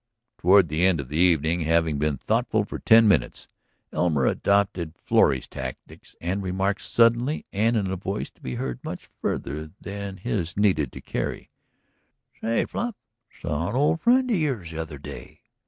Toward the end of the evening, having been thoughtful for ten minutes, Elmer adopted Florrie's tactics and remarked suddenly and in a voice to be heard much farther than his needed to carry: "Say, Fluff. Saw an old friend of yours the other day."